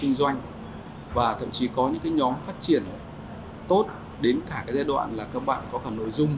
kinh doanh và thậm chí có những cái nhóm phát triển tốt đến cả cái giai đoạn là các bạn có cả nội dung